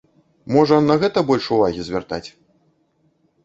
Можа, на гэта больш увагі звяртаць?